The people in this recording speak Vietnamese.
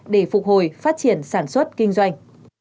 để phục hồi phát triển sản xuất kinh doanh